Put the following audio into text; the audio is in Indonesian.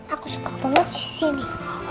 aku suka banget disini